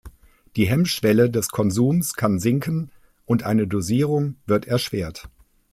Die Hemmschwelle des Konsums kann sinken, und eine Dosierung wird erschwert.